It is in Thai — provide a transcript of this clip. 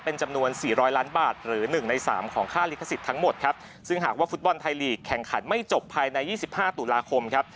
เป็นจำนวน๔๐๐ล้านบาทหรือ๑ใน๓ของค่าลิขสิทธิ์ทั้งหมดครับซึ่งหากว่าฟุตบอลไทยลีกแข่งขันไม่จบภายใน๒๕ตุลาคมครับ